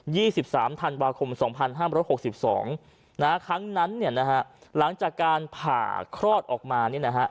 สิบสามธันวาคมสองพันห้ามร้อยหกสิบสองนะฮะครั้งนั้นเนี่ยนะฮะหลังจากการผ่าคลอดออกมาเนี่ยนะฮะ